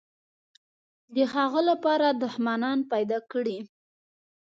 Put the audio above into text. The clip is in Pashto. د هغه لپاره دښمنان پیدا کړي.